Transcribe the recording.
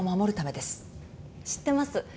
知ってます。